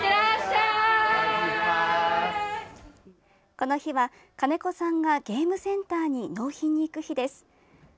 この日は金子さんがゲームセンターに納品に行く日です。